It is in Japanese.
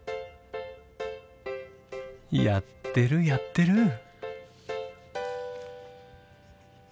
やってるやってる！